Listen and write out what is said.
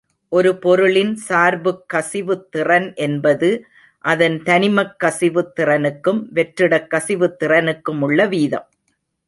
ஒரு பொருளின் சார்புக் கசிவுத் திறன் என்பது அதன் தனிமக் கசிவுத் திறனுக்கும் வெற்றிடக் கசிவுத் திறனுக்குமுள்ள வீதம்.